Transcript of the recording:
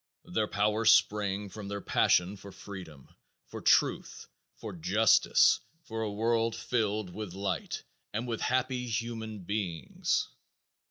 Their power sprang from their passion for freedom, for truth, for justice, for a world filled with light and with happy human beings.